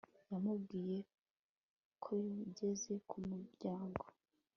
yamubwiye koyageze ku muryango